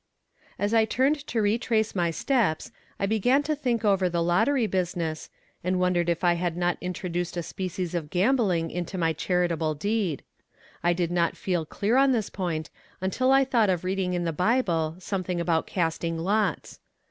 As I turned to retrace my steps I began to think over the lottery business, and wondered if I had not introduced a species of gambling into my charitable deed. I did not feel clear on this point until I thought of reading in the Bible something about casting lots.